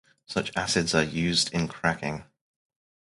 Such acids are used in cracking.